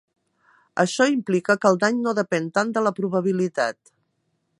Això implica que el dany no depén tant de la probabilitat.